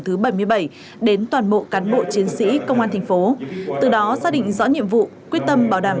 thứ bảy mươi bảy đến toàn bộ cán bộ chiến sĩ công an thành phố từ đó xác định rõ nhiệm vụ quyết tâm bảo đảm